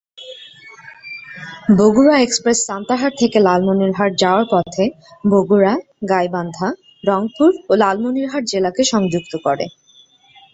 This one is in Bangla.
বগুড়া এক্সপ্রেস সান্তাহার থেকে লালমনিরহাট যাওয়ার পথে বগুড়া, গাইবান্ধা, রংপুর ও লালমনিরহাট জেলাকে সংযুক্ত করে।